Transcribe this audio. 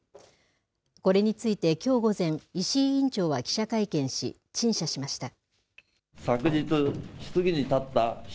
これについて、きょう午前、石井委員長は記者会見し、陳謝しました。